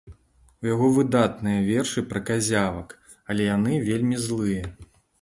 У яго выдатныя вершы пра казявак, але яны вельмі злыя.